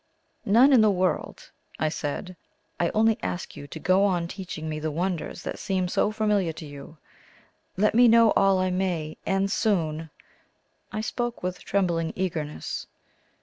"None in the world," I said. "I only ask you to go on teaching me the wonders that seem so familiar to you. Let me know all I may; and soon!" I spoke with trembling eagerness.